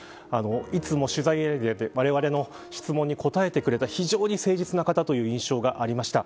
いつも取材エリアでわれわれの質問に答えてくれた非常に誠実な方という印象がありました。